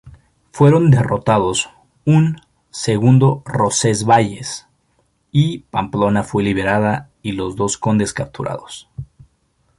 Fueron derrotados un "segundo Roncesvalles" y Pamplona fue liberada y los dos condes capturados.